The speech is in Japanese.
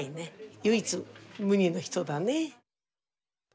唯一無二の人だね。